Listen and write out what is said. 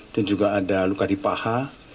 dan juga ada luka di paha